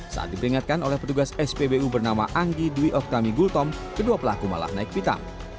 saat diperingatkan oleh petugas spbu bernama anggi dwi oftami gultom kedua pelaku malah naik pitam